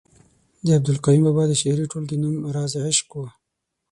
د عبدالقیوم بابا د شعري ټولګې نوم رازِ عشق ؤ